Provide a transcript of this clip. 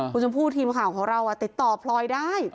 คุณชมพู่ทีมข่าวของเราติดต่อพลอยได้